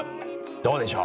どうでしょう？